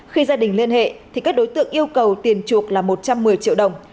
khi gia đình liên hệ thì các đối tượng yêu cầu tiền chuộc là một trăm một mươi triệu đồng